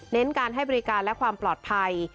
การให้บริการและความปลอดภัย